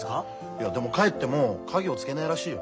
いやでも帰っても家業は継げないらしいよ。